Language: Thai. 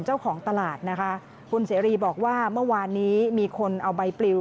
เจ้าของตลาดนะคะคุณเสรีบอกว่าเมื่อวานนี้มีคนเอาใบปลิว